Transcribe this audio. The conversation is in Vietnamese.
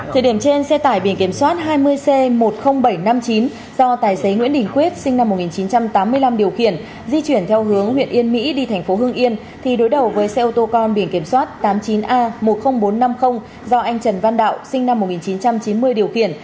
thời điểm trên xe tải biển kiểm soát hai mươi c một mươi nghìn bảy trăm năm mươi chín do tài xế nguyễn đình quyết sinh năm một nghìn chín trăm tám mươi năm điều khiển di chuyển theo hướng huyện yên mỹ đi thành phố hưng yên thì đối đầu với xe ô tô con biển kiểm soát tám mươi chín a một mươi nghìn bốn trăm năm mươi do anh trần văn đạo sinh năm một nghìn chín trăm chín mươi điều khiển